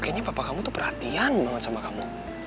kayaknya bapak kamu tuh perhatian banget sama kamu